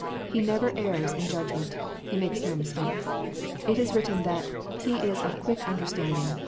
He never errs in judgment : He makes no mistakes. It is written that " He is of quick understanding.